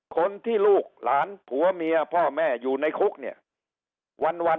คนที่ลูกหลานผัวเมียพ่อแม่อยู่ในคุกเนี่ยวัน